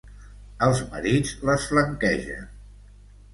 Els marits les flanquegen.